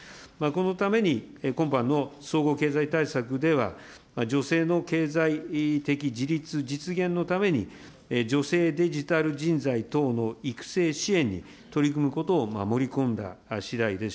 このために、今般の総合経済対策では、女性の経済的自立実現のために、女性デジタル人材等の育成支援に取り組むことを盛り込んだ次第で